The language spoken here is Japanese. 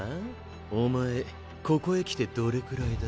お前ここへ来てどれくらいだ？